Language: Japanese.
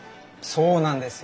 これなんですよ。